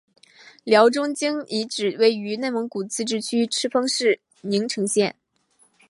辽中京遗址位于内蒙古自治区赤峰市宁城县。